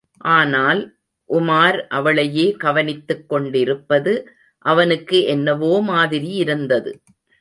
ஆனால் உமார் அவளையே கவனித்துக் கொண்டிருப்பது அவனுக்கு என்னவோ மாதிரியிருந்தது.